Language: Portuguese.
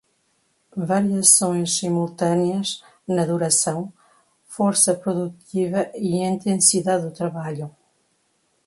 Variações simultâneas na duração, força produtiva e intensidade do trabalho